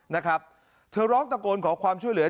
นะครับเธอร้องตะโกนขอความช่วยเหลือ